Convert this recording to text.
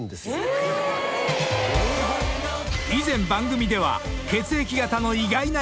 ［以前番組では］